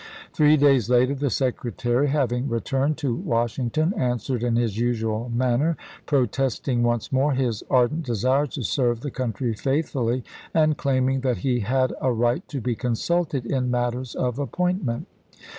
Three days later the Secretary, having returned to Washington, answered in his usual manner, pro testing once more his ardent desire to serve the country faithfully, and claiming that he had a right to be consulted in matters of appointment.